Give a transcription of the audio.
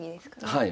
はい。